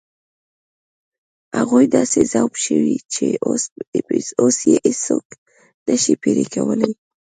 هغوی داسې ذوب شوي چې اوس یې هېڅوک نه شي پرې کولای.